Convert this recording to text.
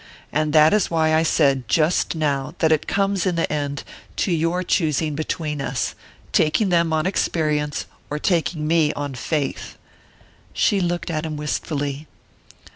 And that is why I said, just now, that it comes, in the end, to your choosing between us; taking them on experience or taking me on faith." She looked at him wistfully.